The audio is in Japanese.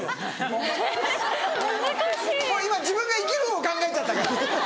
もう今自分が生きるほう考えちゃったから。